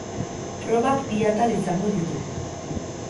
Probak bi atal izango ditu.